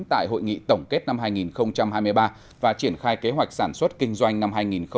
tại hội nghị tổng kết năm hai nghìn hai mươi ba và triển khai kế hoạch sản xuất kinh doanh năm hai nghìn hai mươi bốn